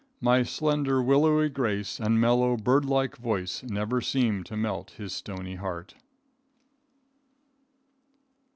My slender, willowy grace and mellow, bird like voice never seemed to melt his stony heart.